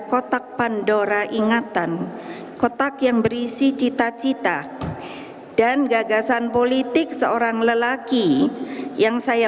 kotak pandora ingatan kotak yang berisi cita cita dan gagasan politik seorang lelaki yang saya